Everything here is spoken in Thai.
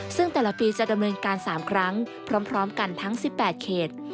ซึ่งแต่ละปีจะดำเนินการ๓ครั้งพร้อมกันทั้ง๑๘เขต